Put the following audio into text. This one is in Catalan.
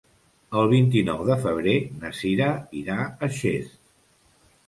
El vint-i-nou de febrer na Cira irà a Xest.